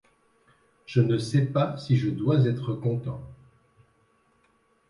Je ne sais pas si je dois être content.